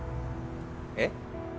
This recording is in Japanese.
えっ？